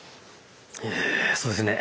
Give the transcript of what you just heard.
えそうですね